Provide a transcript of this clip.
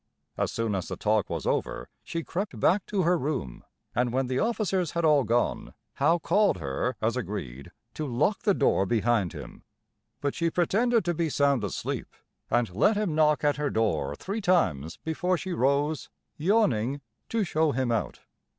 As soon as the talk was over she crept back to her room, and when the officers had all gone, Howe called her, as agreed, to lock the door behind him. But she pretended to be sound asleep, and let him knock at her door three times before she rose, yawning, to show him out.